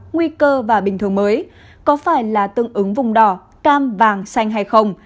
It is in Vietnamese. nguy cơ và bình thường mới có phải là tương ứng vùng đỏ cam vàng xanh hay không